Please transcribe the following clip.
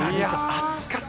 暑かった。